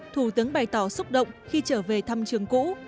thủ tướng bày tỏ xúc động khi trở về thăm trường cũ